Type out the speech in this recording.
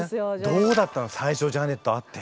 どうだったの最初ジャネット会って。